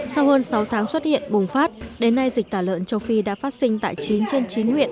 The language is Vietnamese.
sau hơn sáu tháng xuất hiện bùng phát đến nay dịch tả lợn châu phi đã phát sinh tại chín trên chín huyện